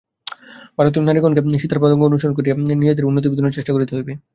ভারতীয় নারীগণকে সীতার পদাঙ্ক অনুসরণ করিয়া নিজেদের উন্নতিবিধানের চেষ্টা করিতে হইবে।